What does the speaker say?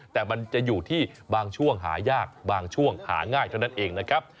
แต่มันจะอยู่ที่บางช่วงหายากบางช่วงหาง่ายเท่านั้นเองนะครับ